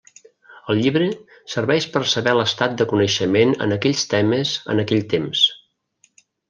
El llibre serveix per saber l'estat de coneixement en aquells temes en aquell temps.